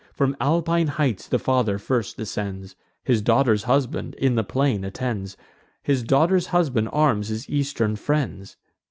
From Alpine heights the father first descends; His daughter's husband in the plain attends: His daughter's husband arms his eastern friends.